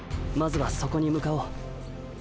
まずはそこに向かおう。